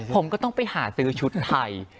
ผมก็ต้องไปหาซื้อชุดไทย